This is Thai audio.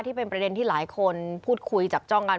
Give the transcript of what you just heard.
ที่เป็นประเด็นที่หลายคนพูดคุยจับจ้องกัน